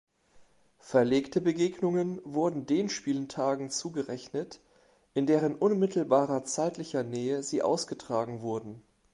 Verlegte Begegnungen wurden den Spieltagen zugerechnet, in deren unmittelbarer zeitlicher Nähe sie ausgetragen wurden.